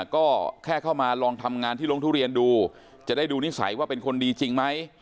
ก็แค่เข้ามาลองทำงานที่โรงทุเรียนดูจะได้ดูนิสัยว่าเป็นคนดีจริงไหม